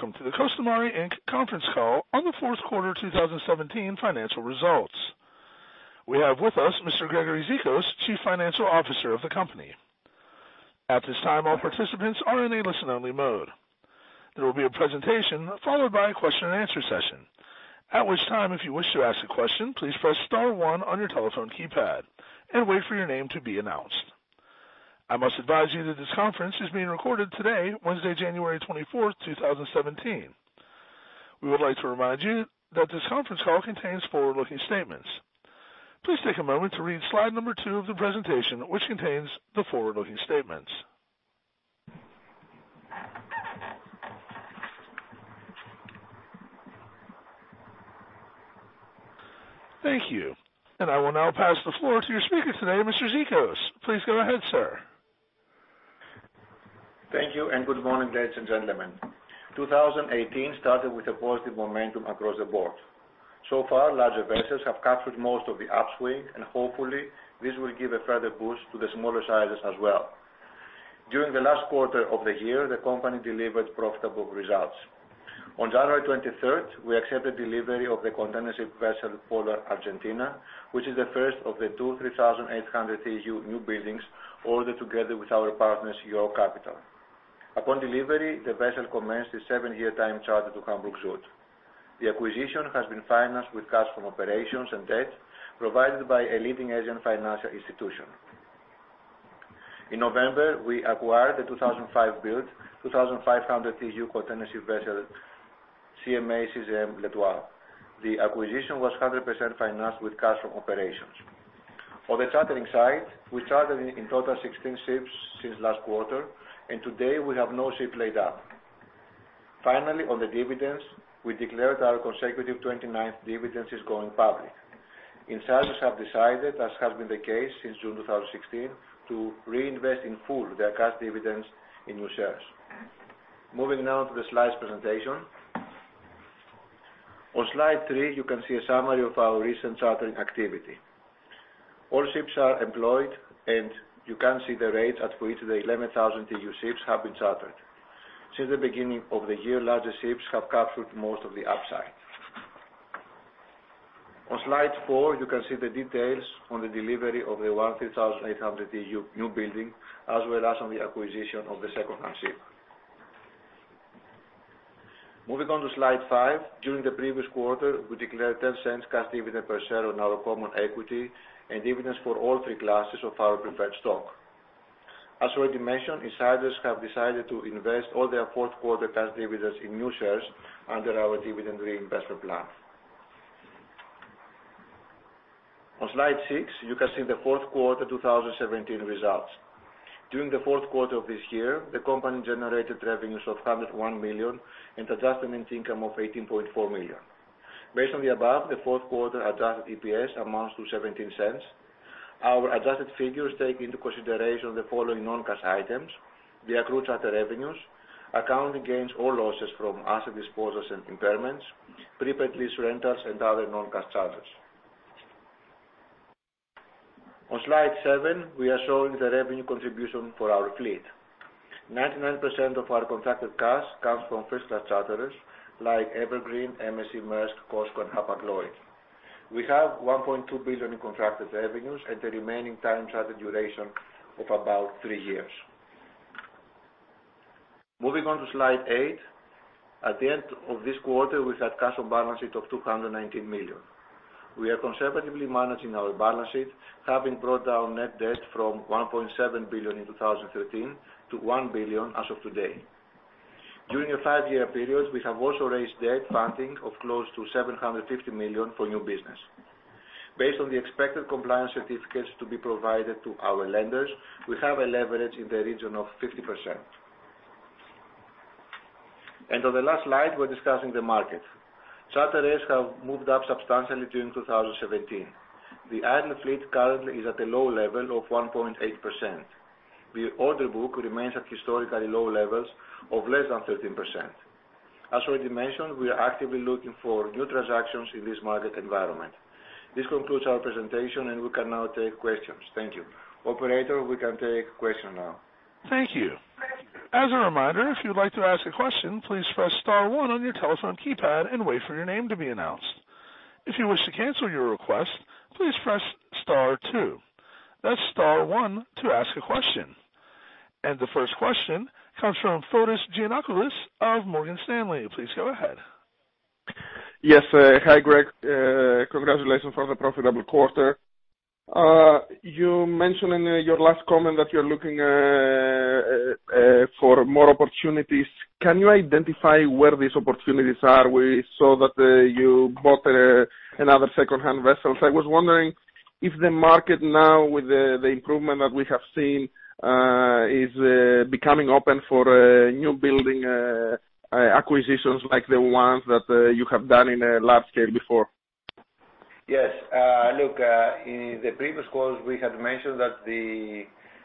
Welcome to the Costamare Inc. conference call on the fourth quarter 2017 financial results. We have with us Mr. Gregory Zikos, Chief Financial Officer of the company. At this time, all participants are in a listen-only mode. There will be a presentation followed by a question and answer session, at which time, if you wish to ask a question, please press star one on your telephone keypad and wait for your name to be announced. I must advise you that this conference is being recorded today, Wednesday, January 24, 2017. We would like to remind you that this conference call contains forward-looking statements. Please take a moment to read slide number two of the presentation, which contains the forward-looking statements. Thank you. I will now pass the floor to your speaker today, Mr. Zikos. Please go ahead, sir. Thank you. Good morning, ladies and gentlemen. 2018 started with a positive momentum across the board. So far, larger vessels have captured most of the upswing, hopefully, this will give a further boost to the smaller sizes as well. During the last quarter of the year, the company delivered profitable results. On January 23rd, we accepted delivery of the containership vessel Polar Argentina, which is the first of the two 3,800 TEU new buildings ordered together with our partners, York Capital. Upon delivery, the vessel commenced a seven-year time charter to Hamburg Süd. The acquisition has been financed with cash from operations and debt provided by a leading Asian financial institution. In November, we acquired the 2005 build, 2,500 TEU containership vessel CMA CGM L'Etoile. The acquisition was 100% financed with cash from operations. On the chartering side, we chartered in total 16 ships since last quarter. Today we have no ship laid up. Finally, on the dividends, we declared our consecutive 29th dividends since going public. Insiders have decided, as has been the case since June 2016, to reinvest in full their cash dividends in new shares. Moving now to the slides presentation. On slide three, you can see a summary of our recent chartering activity. All ships are employed, you can see the rates at which the 11,000 TEU ships have been chartered. Since the beginning of the year, larger ships have captured most of the upside. On slide four, you can see the details on the delivery of the one 3,800 TEU new building, as well as on the acquisition of the second-hand ship. Moving on to slide five. During the previous quarter, we declared $0.10 cash dividend per share on our common equity and dividends for all three classes of our preferred stock. As already mentioned, insiders have decided to invest all their fourth quarter cash dividends in new shares under our dividend reinvestment plan. On slide six, you can see the fourth quarter 2017 results. During the fourth quarter of this year, the company generated revenues of $101 million and adjusted income of $18.4 million. Based on the above, the fourth quarter adjusted EPS amounts to $0.17. Our adjusted figures take into consideration the following non-cash items: the accrued charter revenues, accounting gains or losses from asset disposals and impairments, prepay lease rentals, and other non-cash charges. On slide seven, we are showing the revenue contribution for our fleet. 99% of our contracted cargoes comes from first class charterers like Evergreen, MSC, Maersk, COSCO, and Hapag-Lloyd. We have $1.2 billion in contracted revenues and the remaining time charter duration of about three years. Moving on to slide eight. At the end of this quarter, we had cash on balance sheet of $219 million. We are conservatively managing our balance sheet, having brought down net debt from $1.7 billion in 2013 to $1 billion as of today. During a five-year period, we have also raised debt funding of close to $750 million for new business. Based on the expected compliance certificates to be provided to our lenders, we have a leverage in the region of 50%. On the last slide, we are discussing the market. Charter rates have moved up substantially during 2017. The idle fleet currently is at a low level of 1.8%. The order book remains at historically low levels of less than 13%. As already mentioned, we are actively looking for new transactions in this market environment. This concludes our presentation, and we can now take questions. Thank you. Operator, we can take question now. Thank you. As a reminder, if you would like to ask a question, please press star one on your telephone keypad and wait for your name to be announced. If you wish to cancel your request, please press star two. That is star one to ask a question. The first question comes from Fotis Giannakoulis of Morgan Stanley. Please go ahead. Yes. Hi, Greg. Congratulations on the profitable quarter. You mentioned in your last comment that you are looking for more opportunities. Can you identify where these opportunities are? We saw that you bought another secondhand vessel, so I was wondering if the market now with the improvement that we have seen is becoming open for new building acquisitions like the ones that you have done in a large scale before. Yes. Look, in the previous calls, we had mentioned that the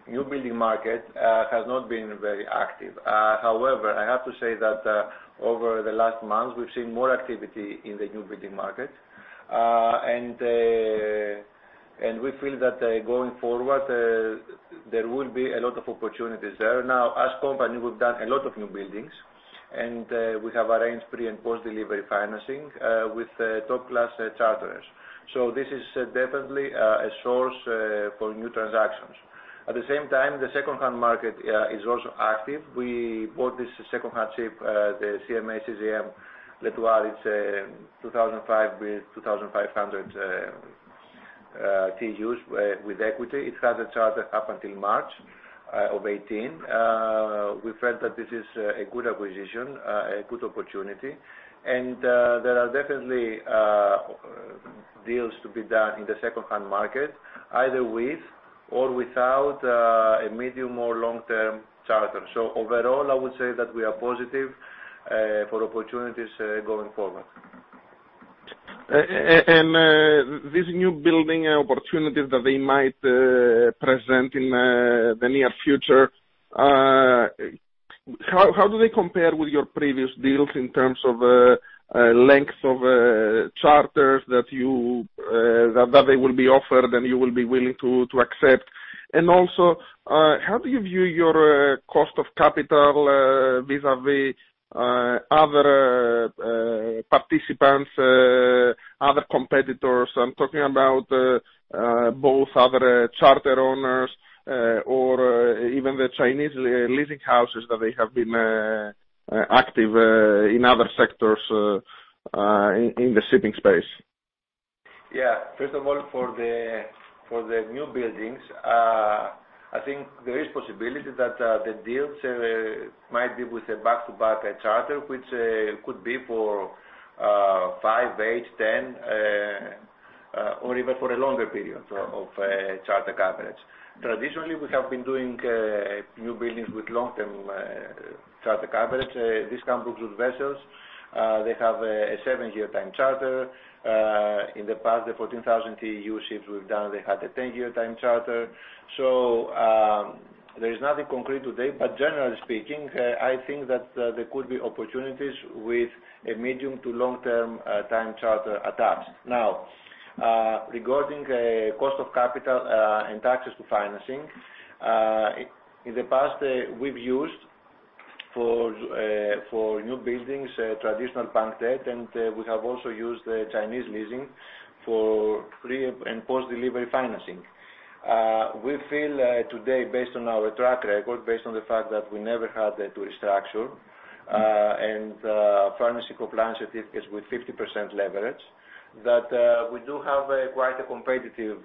new building market has not been very active. However, I have to say that over the last month, we've seen more activity in the new building market, and we feel that going forward, there will be a lot of opportunities there. Now, as company, we've done a lot of new buildings, and we have arranged pre and post-delivery financing with top-class charterers. So this is definitely a source for new transactions. At the same time, the second-hand market is also active. We bought this second-hand ship, the CMA CGM L'Etoile. It's a 2005 build, 2,500 TEUs with equity. It has a charter up until March of 2018. We felt that this is a good acquisition, a good opportunity. There are definitely deals to be done in the second-hand market, either with or without a medium or long-term charter. Overall, I would say that we are positive for opportunities going forward. This new building opportunity that they might present in the near future, how do they compare with your previous deals in terms of length of charters that they will be offered? You will be willing to accept? Also, how do you view your cost of capital vis-a-vis other participants, other competitors? I'm talking about both other charter owners, or even the Chinese leasing houses that they have been active in other sectors in the shipping space. Yeah. First of all, for the new buildings, I think there is possibility that the deals might be with a back-to-back charter, which could be for five, eight, 10, or even for a longer period of charter coverage. Traditionally, we have been doing new buildings with long-term charter coverage. These Cambuges vessels, they have a seven-year time charter. In the past, the 14,000 TEU ships we've done, they had a 10-year time charter. There is nothing concrete today, generally speaking, I think that there could be opportunities with a medium to long-term time charter attached. Now, regarding cost of capital and access to financing, in the past, we've used for new buildings, traditional bank debt. We have also used Chinese leasing for pre and post-delivery financing. We feel today based on our track record, based on the fact that we never had a restructure, and financing compliance certificates with 50% leverage, that we do have quite a competitive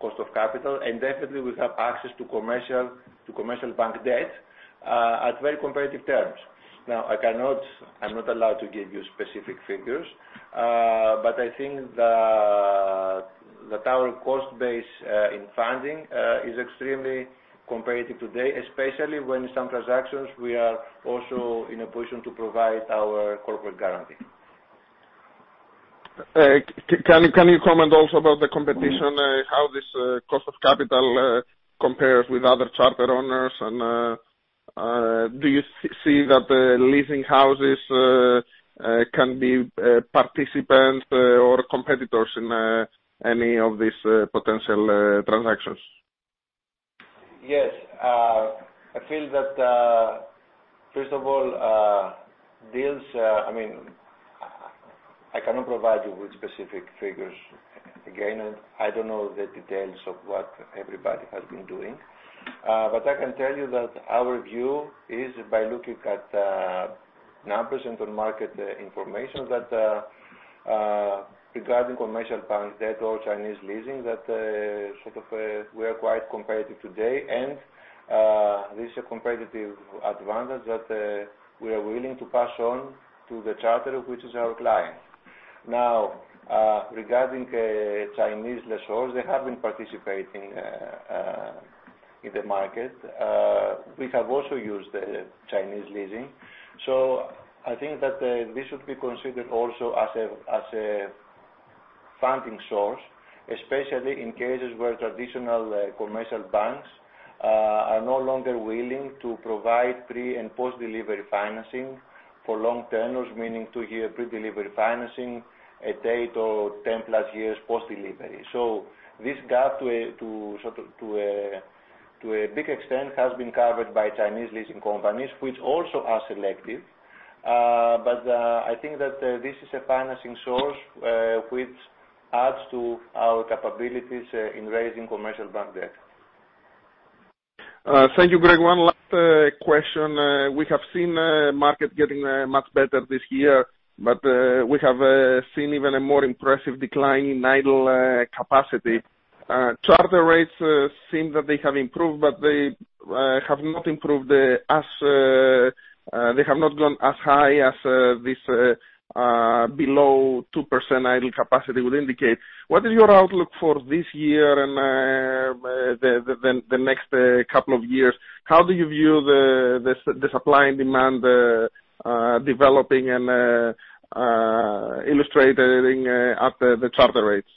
cost of capital, and definitely we have access to commercial bank debt at very competitive terms. I'm not allowed to give you specific figures, but I think that our cost base in funding is extremely competitive today, especially when in some transactions we are also in a position to provide our corporate guarantee. Can you comment also about the competition, how this cost of capital compares with other charter owners and do you see that the leasing houses can be participants or competitors in any of these potential transactions? Yes. I feel that, first of all, I cannot provide you with specific figures. Again, I don't know the details of what everybody has been doing. I can tell you that our view is by looking at numbers and on market information that regarding commercial bank debt or Chinese leasing, that we are quite competitive today and this is a competitive advantage that we are willing to pass on to the charter, which is our client. Regarding Chinese lessors, they have been participating in the market. We have also used Chinese leasing. I think that this should be considered also as a funding source, especially in cases where traditional commercial banks are no longer willing to provide pre and post-delivery financing for long tenors, meaning two-year pre-delivery financing, eight or 10-plus years post-delivery. This gap to a big extent has been covered by Chinese leasing companies, which also are selective. I think that this is a financing source which adds to our capabilities in raising commercial bank debt. Thank you, Greg. One last question. We have seen market getting much better this year. We have seen even a more impressive decline in idle capacity. Charter rates seem that they have improved. They have not gone as high as this below 2% idle capacity would indicate. What is your outlook for this year and the next couple of years? How do you view the supply and demand developing and illustrating at the charter rates?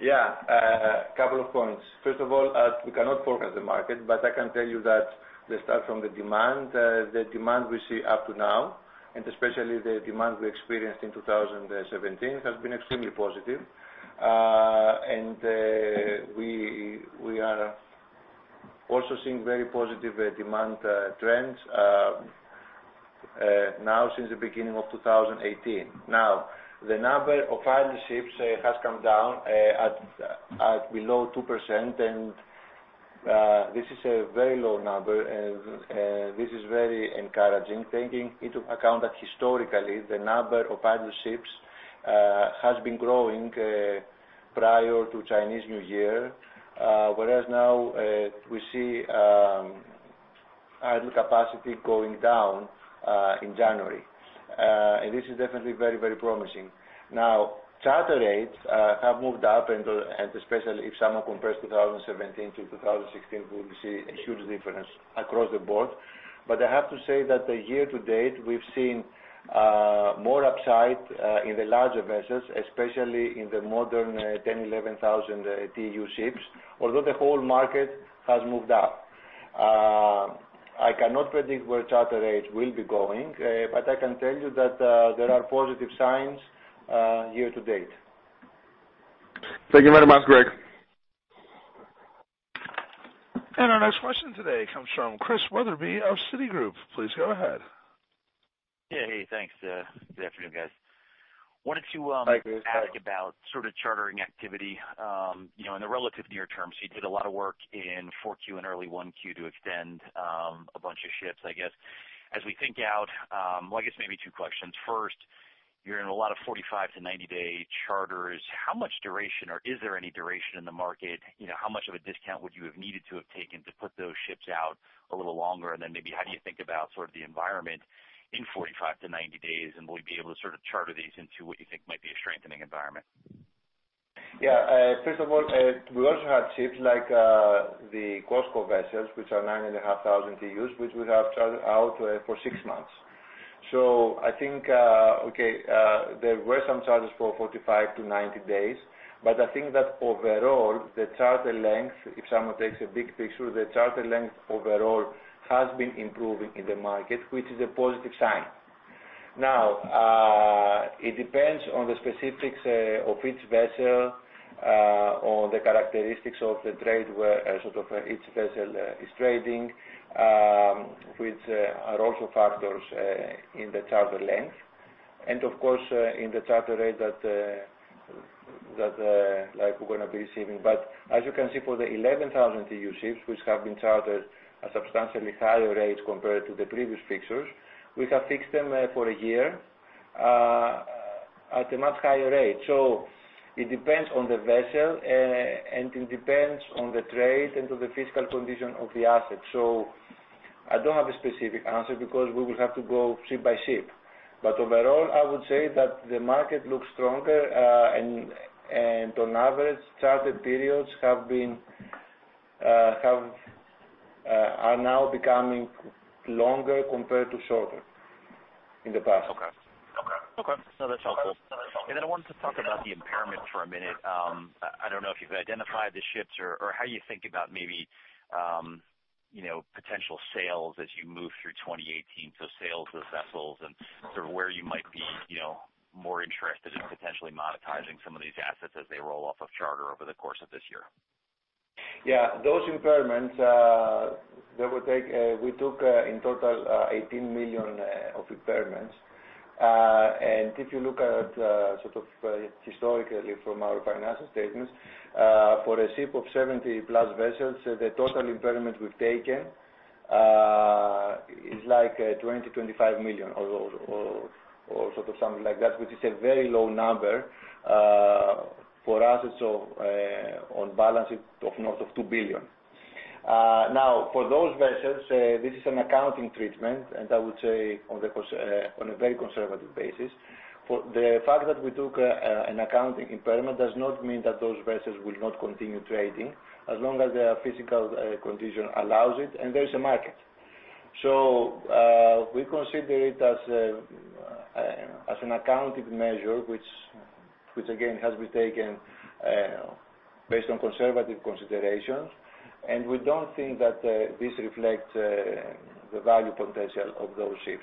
Yeah. A couple of points. First of all, we cannot forecast the market, but I can tell you that, let's start from the demand. The demand we see up to now, and especially the demand we experienced in 2017, has been extremely positive. We are also seeing very positive demand trends now since the beginning of 2018. The number of idle ships has come down at below 2%. This is a very low number, and this is very encouraging taking into account that historically, the number of idle ships has been growing prior to Chinese New Year. Whereas now we see idle capacity going down in January. This is definitely very promising. Charter rates have moved up and especially if someone compares 2017 to 2016, we will see a huge difference across the board. I have to say that the year to date, we've seen more upside in the larger vessels, especially in the modern 10,000, 11,000 TEU ships, although the whole market has moved up. I cannot predict where charter rates will be going, but I can tell you that there are positive signs year to date. Thank you very much, Greg. Our next question today comes from Chris Wetherbee of Citigroup. Please go ahead. Yeah. Hey, thanks. Good afternoon, guys. Hi, Chris. Wanted to ask about sort of chartering activity in the relative near term. You did a lot of work in Q4 and early Q1 to extend a bunch of ships, I guess. As we think out, well, I guess maybe two questions. First, you're in a lot of 45 to 90-day charters. How much duration or is there any duration in the market? How much of a discount would you have needed to have taken to put those ships out a little longer? And then maybe how do you think about sort of the environment in 45 to 90 days, and will you be able to sort of charter these into what you think might be a strengthening environment? Yeah. First of all, we also had ships like the COSCO vessels, which are 9,500 TEUs, which we have chartered out for six months. I think, okay, there were some charters for 45 to 90 days. I think that overall, the charter length, if someone takes a big picture, the charter length overall has been improving in the market, which is a positive sign. It depends on the specifics of each vessel or the characteristics of the trade where sort of each vessel is trading which are also factors in the charter length. Of course, in the charter rate that we're going to be receiving. As you can see for the 11,000 TEU ships, which have been chartered at substantially higher rates compared to the previous fixtures, we have fixed them for a year at a much higher rate. It depends on the vessel, and it depends on the trade and on the physical condition of the asset. I don't have a specific answer because we will have to go ship by ship. Overall, I would say that the market looks stronger, and on average, charter periods are now becoming longer compared to shorter in the past. Okay. No, that's helpful. I wanted to talk about the impairment for a minute. I don't know if you've identified the ships or how you think about maybe potential sales as you move through 2018, so sales of vessels and sort of where you might be more interested in potentially monetizing some of these assets as they roll off of charter over the course of this year. Yeah, those impairments we took in total $18 million of impairments. If you look at sort of historically from our financial statements for a ship of 70 plus vessels, the total impairment we've taken is like $20 million, $25 million or sort of something like that, which is a very low number. For us, it's on balance of north of $2 billion. For those vessels, this is an accounting treatment, and I would say on a very conservative basis. The fact that we took an accounting impairment does not mean that those vessels will not continue trading as long as their physical condition allows it and there is a market. We consider it as an accounting measure, which again has been taken based on conservative considerations. We don't think that this reflects the value potential of those ships.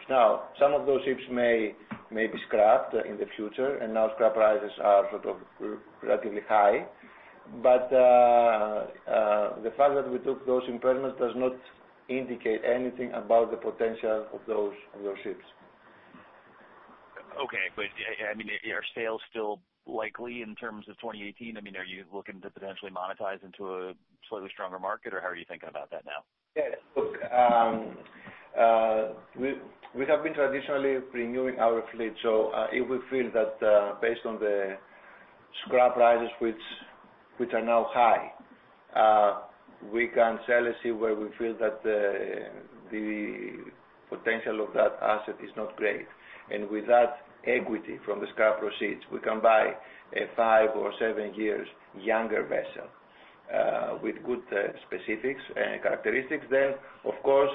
Some of those ships may be scrapped in the future. Now scrap prices are sort of relatively high. The fact that we took those impairments does not indicate anything about the potential of those ships. Are sales still likely in terms of 2018? Are you looking to potentially monetize into a slightly stronger market, or how are you thinking about that now? We have been traditionally renewing our fleet. If we feel that based on the scrap prices which are now high, we can sell a ship where we feel that the potential of that asset is not great. With that equity from the scrap proceeds, we can buy a five or seven years younger vessel with good specifics and characteristics. Of course,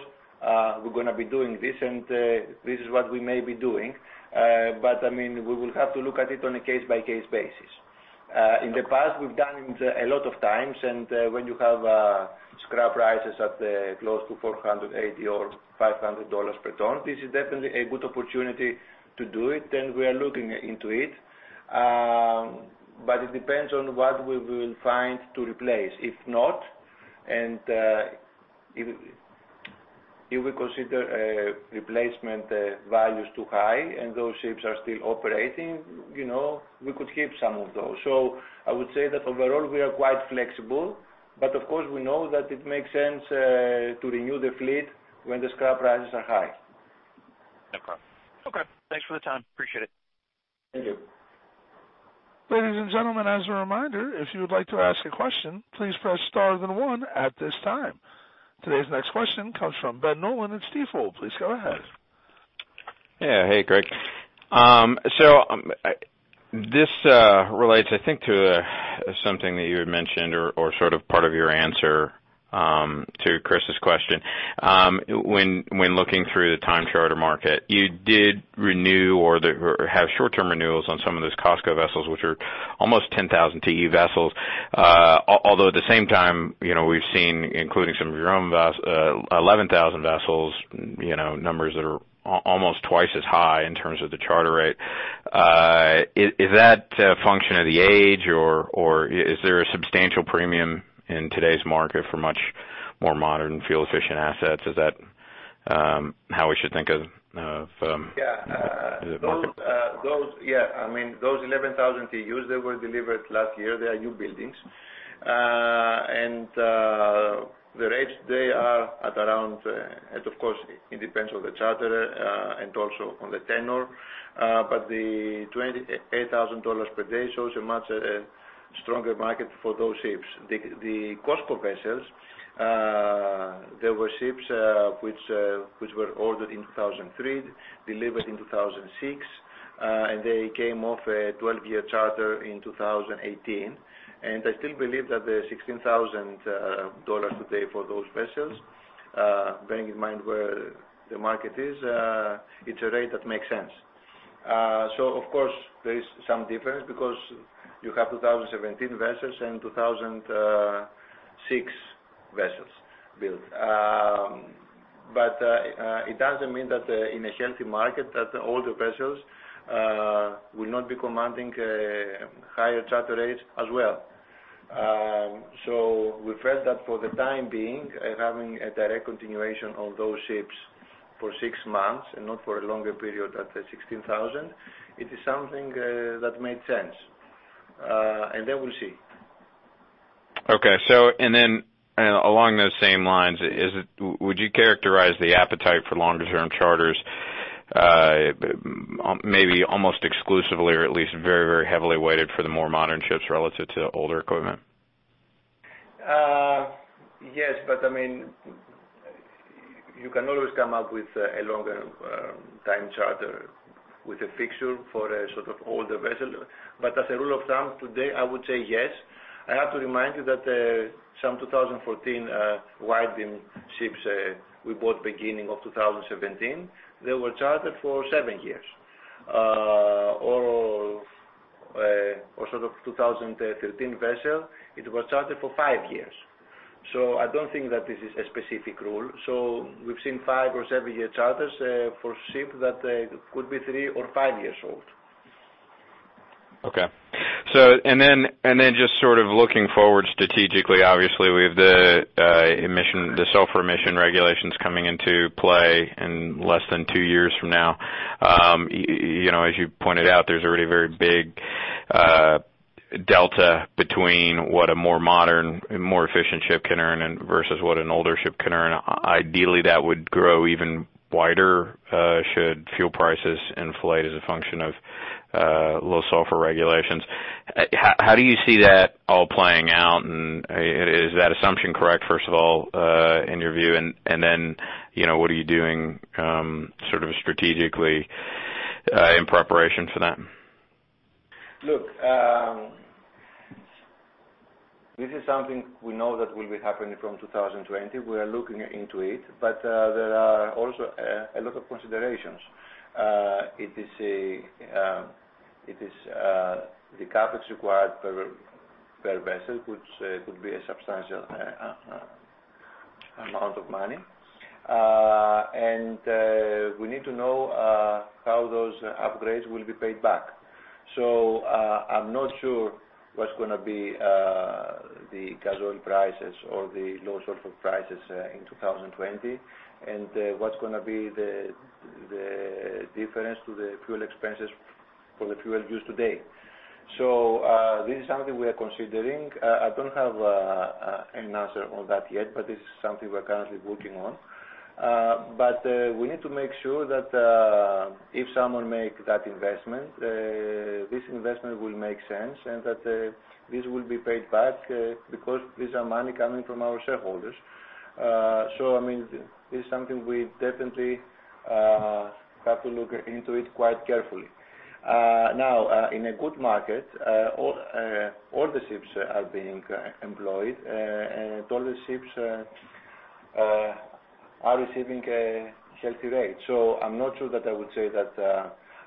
we're going to be doing this, and this is what we may be doing. We will have to look at it on a case-by-case basis. In the past, we've done it a lot of times, and when you have scrap prices at close to $480 or $500 per ton, this is definitely a good opportunity to do it, and we are looking into it. It depends on what we will find to replace. If not, and if we consider replacement values too high and those ships are still operating, we could keep some of those. I would say that overall we are quite flexible. Of course, we know that it makes sense to renew the fleet when the scrap prices are high. No problem. Okay. Thanks for the time. Appreciate it. Thank you. Ladies and gentlemen, as a reminder, if you would like to ask a question, please press star then one at this time. Today's next question comes from Ben Nolan at Stifel. Please go ahead. Yeah. Hey, Greg. This relates, I think, to something that you had mentioned or sort of part of your answer to Chris's question. When looking through the time charter market, you did renew or have short-term renewals on some of those COSCO vessels, which are almost 10,000 TEU vessels. Although at the same time, we've seen, including some of your own vessels, 11,000 vessels, numbers that are almost twice as high in terms of the charter rate. Is that a function of the age, or is there a substantial premium in today's market for much more modern fuel-efficient assets? Is that how we should think of? Yeah the market? Those 11,000 TEUs, they were delivered last year. They are new buildings. The rates today are at around, of course, it depends on the charterer, and also on the tenure. The $28,000 per day shows a much stronger market for those ships. The COSCO vessels, they were ships which were ordered in 2003, delivered in 2006, and they came off a 12-year charter in 2018. I still believe that the $16,000 today for those vessels, bearing in mind where the market is, it's a rate that makes sense. Of course, there is some difference because you have 2017 vessels and 2006 vessels built. It doesn't mean that in a healthy market that the older vessels will not be commanding higher charter rates as well. We felt that for the time being, having a direct continuation of those ships for six months and not for a longer period at $16,000, it is something that made sense. Then we'll see. Okay. Along those same lines, would you characterize the appetite for longer-term charters, maybe almost exclusively or at least very, very heavily weighted for the more modern ships relative to older equipment? Yes, but you can always come up with a longer time charter with a fixture for a sort of older vessel. As a rule of thumb, today, I would say yes. I have to remind you that some 2014 wide-beam ships we bought beginning of 2017, they were chartered for seven years. A sort of 2013 vessel, it was chartered for five years. I don't think that this is a specific rule. We've seen five or seven-year charters for ships that could be three or five years old. Okay. Then just sort of looking forward strategically, obviously, we have the sulfur emission regulations coming into play in less than two years from now. As you pointed out, there's already a very big delta between what a more modern and more efficient ship can earn versus what an older ship can earn. Ideally, that would grow even wider should fuel prices inflate as a function of low sulfur regulations. How do you see that all playing out, and is that assumption correct, first of all, in your view? Then, what are you doing sort of strategically in preparation for that? Look, this is something we know that will be happening from 2020. We are looking into it, but there are also a lot of considerations. The CapEx required per vessel could be a substantial amount of money. We need to know how those upgrades will be paid back. I'm not sure what's going to be the gas oil prices or the low sulfur prices in 2020 and what's going to be the difference to the fuel expenses for the fuel used today. This is something we are considering. I don't have an answer on that yet, but this is something we're currently working on. We need to make sure that if someone makes that investment, this investment will make sense and that this will be paid back because this is money coming from our shareholders. This is something we definitely have to look into it quite carefully. Now, in a good market, all the ships are being employed, and all the ships are receiving a healthy rate. I'm not sure that I would say that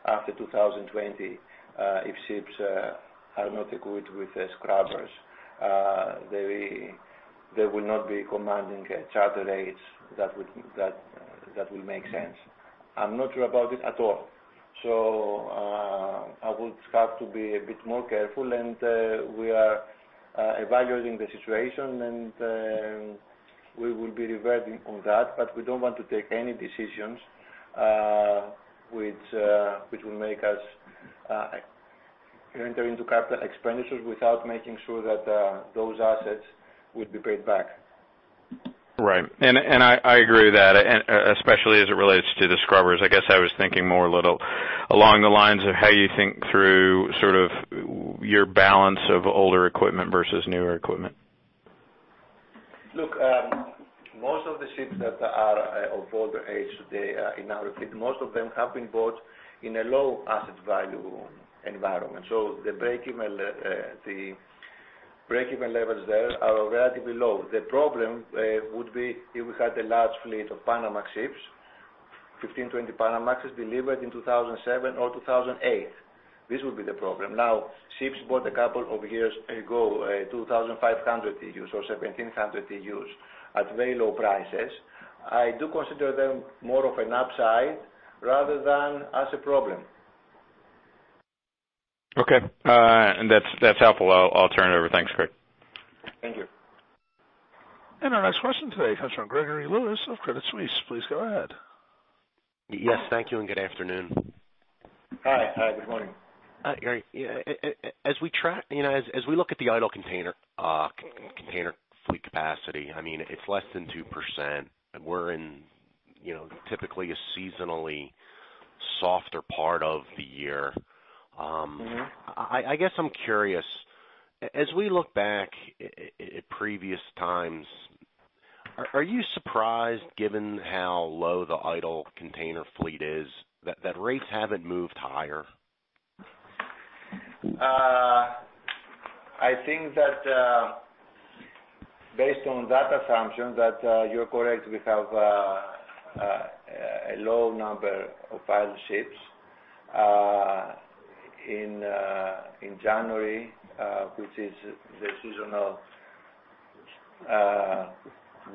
after 2020, if ships are not equipped with scrubbers, they will not be commanding charter rates that will make sense. I'm not sure about it at all. I would have to be a bit more careful, and we are evaluating the situation, and we will be reverting on that, but we don't want to take any decisions which will make us enter into capital expenditures without making sure that those assets would be paid back. Right. I agree with that, especially as it relates to the scrubbers. I guess I was thinking more a little along the lines of how you think through sort of your balance of older equipment versus newer equipment. Look, most of the ships that are of older age today in our fleet, most of them have been bought in a low asset value environment. The breakeven levels there are relatively low. The problem would be if we had a large fleet of Panamax ships, 15, 20 Panamax delivered in 2007 or 2008. This would be the problem. Ships bought a couple of years ago, 2,500 TEUs or 1,700 TEUs at very low prices, I do consider them more of an upside rather than as a problem. Okay. That's helpful. I'll turn it over. Thanks, Greg. Thank you. Our next question today comes from Gregory Lewis of Credit Suisse. Please go ahead. Yes, thank you, and good afternoon. Hi. Good morning. As we look at the idle container fleet capacity, it's less than 2%, and we're in typically a seasonally softer part of the year. I guess I'm curious, as we look back at previous times, are you surprised, given how low the idle container fleet is, that rates haven't moved higher? I think that based on that assumption that you're correct, we have a low number of idle ships in January which is the seasonal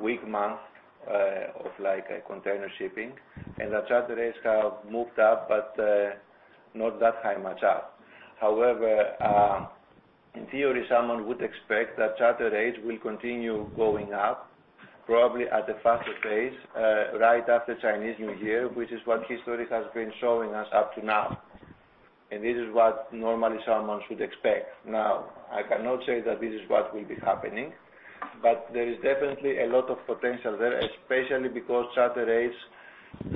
weak month of container shipping, the charter rates have moved up but not that high much up. However, in theory, someone would expect that charter rates will continue going up, probably at a faster pace, right after Chinese New Year, which is what history has been showing us up to now. This is what normally someone should expect. Now, I cannot say that this is what will be happening, but there is definitely a lot of potential there, especially because charter rates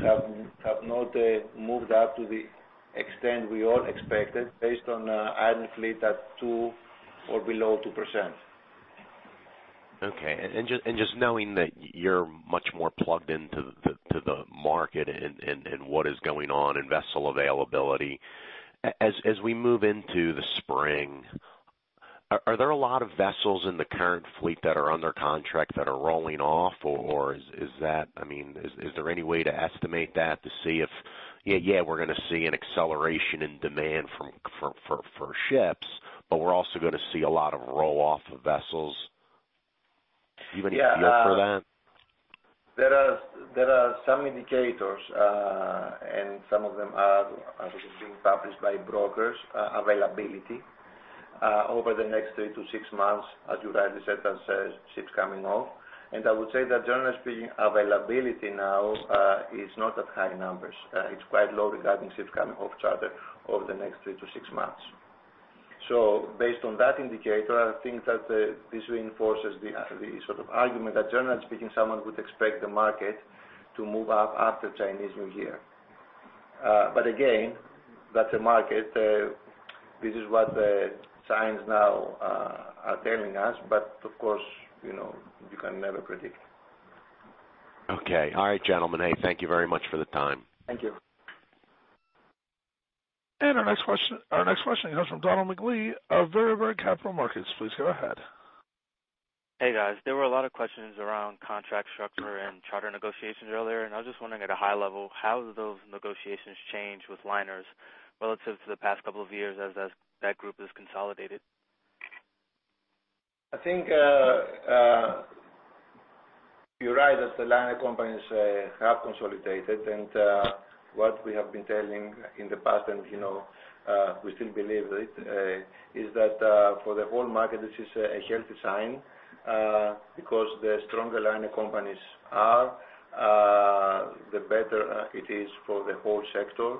have not moved up to the extent we all expected based on idle fleet at 2% or below 2%. Okay. Just knowing that you're much more plugged into the market and what is going on in vessel availability, as we move into the spring, are there a lot of vessels in the current fleet that are under contract that are rolling off, or is there any way to estimate that to see if, yeah, we're going to see an acceleration in demand for ships, but we're also going to see a lot of roll-off of vessels. Do you have any feel for that? There are some indicators, some of them are being published by brokers, availability over the next three to six months as you rightly said, as ships coming off. I would say that generally speaking, availability now is not at high numbers. It's quite low regarding ships coming off charter over the next three to six months. Based on that indicator, I think that this reinforces the sort of argument that generally speaking, someone would expect the market to move up after Chinese New Year. Again, that's the market. This is what the signs now are telling us, but of course, you can never predict. Okay. All right, gentlemen. Hey, thank you very much for the time. Thank you. Our next question comes from Donald McLee of Berenberg Capital Markets. Please go ahead. Hey, guys. There were a lot of questions around contract structure and charter negotiations earlier, and I was just wondering at a high level, how those negotiations change with liners relative to the past couple of years as that group has consolidated. I think you're right that the liner companies have consolidated. What we have been telling in the past and we still believe it, is that for the whole market, this is a healthy sign because the stronger liner companies are, the better it is for the whole sector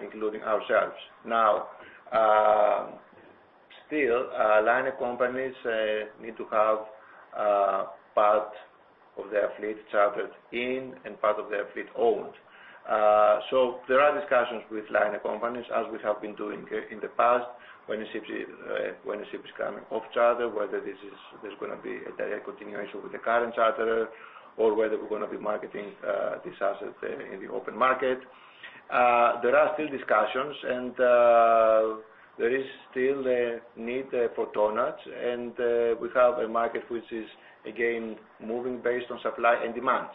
including ourselves. Still, liner companies need to have part of their fleet chartered in and part of their fleet owned. There are discussions with liner companies, as we have been doing in the past, when a ship is coming off charter, whether there's going to be a direct continuation with the current charter or whether we're going to be marketing this asset in the open market. There are still discussions, there is still a need for tonnages, and we have a market which is again, moving based on supply and demand.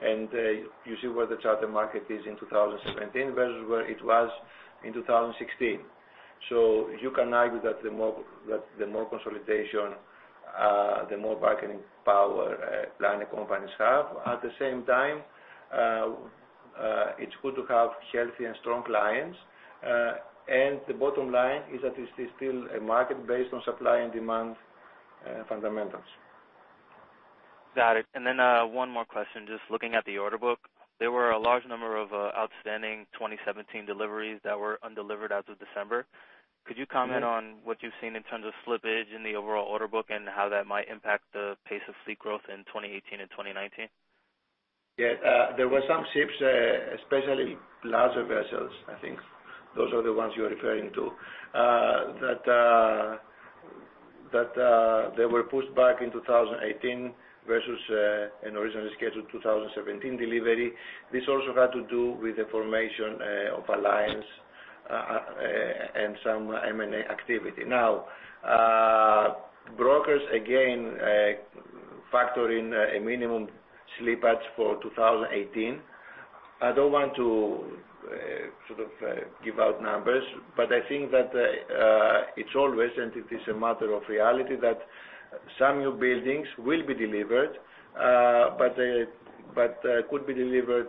You see where the charter market is in 2017 versus where it was in 2016. You can argue that the more consolidation, the more bargaining power liner companies have. At the same time, it's good to have healthy and strong clients. The bottom line is that it is still a market based on supply and demand fundamentals. Got it. Then one more question, just looking at the order book. There were a large number of outstanding 2017 deliveries that were undelivered as of December. Could you comment on what you've seen in terms of slippage in the overall order book and how that might impact the pace of fleet growth in 2018 and 2019? Yeah. There were some ships, especially larger vessels, I think those are the ones you're referring to, that they were pushed back in 2018 versus an originally scheduled 2017 delivery. This also had to do with the formation of Alliance, and some M&A activity. Brokers, again, factor in a minimum slippage for 2018. I don't want to sort of give out numbers, but I think that it's always, it is a matter of reality that some new buildings will be delivered, but could be delivered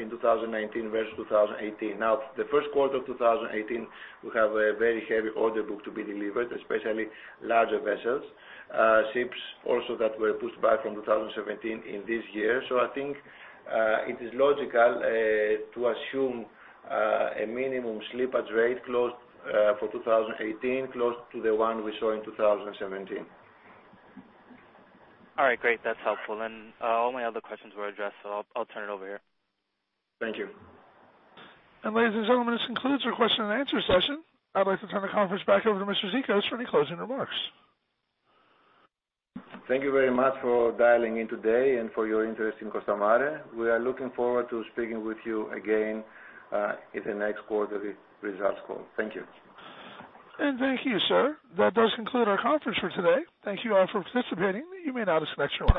in 2019 versus 2018. The first quarter of 2018, we have a very heavy order book to be delivered, especially larger vessels. Ships also that were pushed back from 2017 in this year. I think, it is logical to assume a minimum slippage rate for 2018 close to the one we saw in 2017. All right, great. That's helpful. All my other questions were addressed, so I'll turn it over here. Thank you. Ladies and gentlemen, this concludes our question and answer session. I'd like to turn the conference back over to Mr. Zikos for any closing remarks. Thank you very much for dialing in today and for your interest in Costamare. We are looking forward to speaking with you again in the next quarterly results call. Thank you. Thank you, sir. That does conclude our conference for today. Thank you all for participating. You may now disconnect your line.